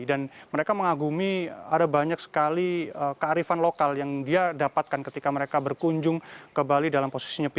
dan mereka mengagumi ada banyak sekali kearifan lokal yang dia dapatkan ketika mereka berkunjung ke bali dalam posisi nyepi